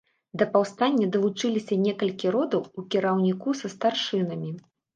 Да паўстання далучыліся некалькі родаў у кіраўніку са старшынамі.